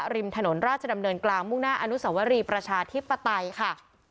ริมถนนราชดำเนินกลางมุ่งหน้าอนุสวรีประชาธิปไตยค่ะ